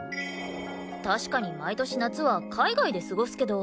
確かに毎年夏は海外で過ごすけど。